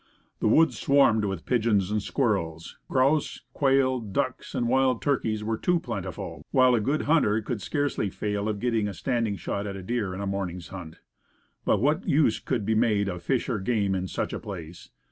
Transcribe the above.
The woods swarmed with pigeons and squirrels; grouse, quail, ducks and wild turkeys were too plenty, while a good hunter could scarcely fail of getting a standing shot at a deer in a morning's hunt. But, cut bono? What use could be made of fish or game in such a place?